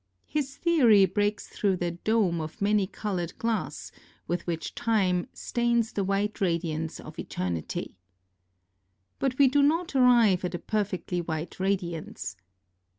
His theory breaks through the 'dome of many coloured glass' with which Time 'stains the white radiance of eternity '.V But, we do not arrive at a perfectly white radiance.